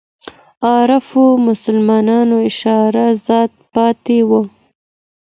عارفو مسلمانانو ارشادات پاتې وو.